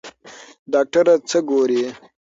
ډاکټره څه ګوري؟